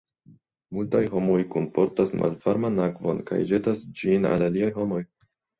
Multaj homoj kunportas malvarman akvon kaj ĵetas ĝin al aliaj homoj.